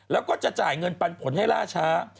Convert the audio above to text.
แล้วก็จะจ่ายเงินปันผลให้ล่าช้า